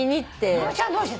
直美ちゃんどうしてる？